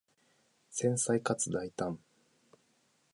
繊細かつ大胆